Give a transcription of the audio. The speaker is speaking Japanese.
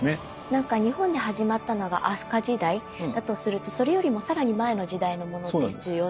なんか日本で始まったのが飛鳥時代だとするとそれよりも更に前の時代のものですよね。